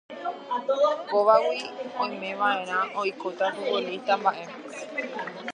Kóvagui oimeva'erã oikóta futbolista mba'e